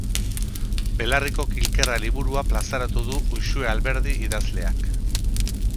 Belarriko kilkerra liburua plazaratu du Uxue Alberdi idazleak.